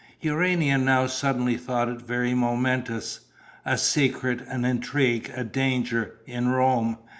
Urania now suddenly thought it very momentous a secret, an intrigue, a danger, in Rome!